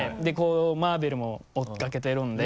マーベルも追い掛けてるので。